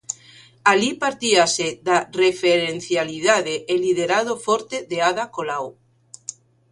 Alí partíase da referencialidade e liderado forte de Ada Colau.